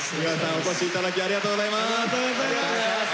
お越しいただきありがとうございます。